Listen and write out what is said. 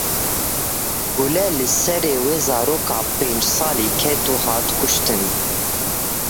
Gule li serê wê zaroka pênc salî ket û hat kuştin.